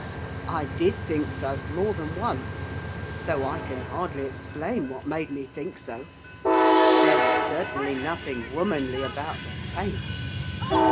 'I did think so, more than once. Though I can hardly explain what made me think so. There was certainly nothing womanly about the face.